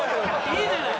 いいじゃない。